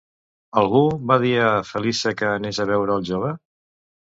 Algú va dir a Feliça que anés a veure el jove?